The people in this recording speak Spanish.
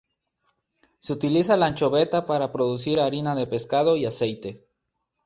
Se utiliza la anchoveta para producir harina de pescado y aceite.